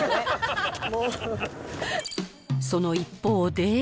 その一方で。